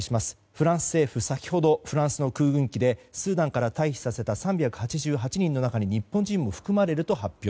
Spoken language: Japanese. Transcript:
フランス政府、先ほどフランスの空軍機でスーダンから退避させた３８８人の中に日本人も含まれると発表。